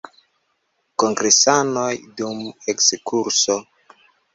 Kongresanoj dum ekskurso.